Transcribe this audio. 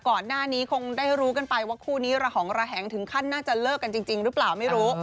ก่อนหน้านี้คงได้รู้กันไปว่าคู่นี้ระหองระแหงถึงขั้นน่าจะเลิกกันจริงหรือเปล่าไม่รู้